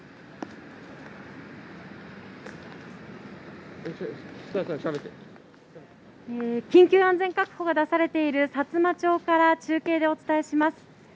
ア緊急安全確保が出されているさつま町から中継でお伝えします。